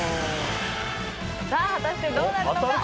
さあ果たしてどうなるのか？